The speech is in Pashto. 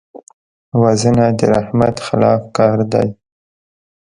وژنه د رحمت خلاف کار دی